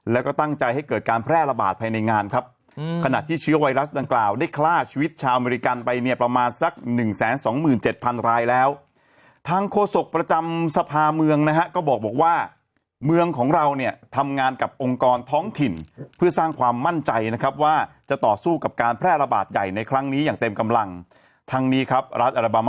แล้วก็ตั้งใจให้เกิดการแพร่ระบาดภายในงานครับขณะที่เชื้อไวรัสดังกล่าวได้ฆ่าชีวิตชาวอเมริกันไปเนี่ยประมาณสักหนึ่งแสนสองหมื่นเจ็ดพันรายแล้วทางโฆษกประจำสภาเมืองนะฮะก็บอกว่าเมืองของเราเนี่ยทำงานกับองค์กรท้องถิ่นเพื่อสร้างความมั่นใจนะครับว่าจะต่อสู้กับการแพร่ระบาดใหญ่ในครั้งนี้อย่างเต็มกำลังทั้งนี้ครับรัฐอัม